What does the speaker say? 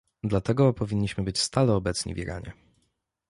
Dlatego powinniśmy być stale obecni w Iranie